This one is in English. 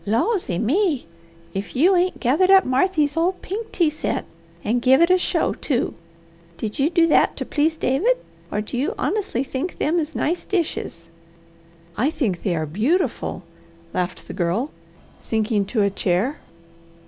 Lawsy me! if you ain't gathered up Marthy's old pink tea set, and give it a show, too! Did you do that to please David, or do you honestly think them is nice dishes?" "I think they are beautiful," laughed the Girl, sinking to a chair.